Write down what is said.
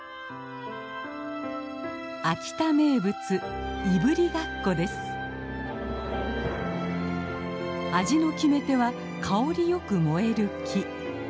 秋田名物味の決め手は香りよく燃える木。